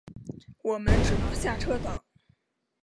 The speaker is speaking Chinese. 我们只能下车等